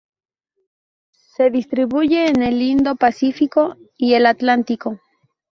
Se distribuye en el Indo-Pacífico y el Atlántico.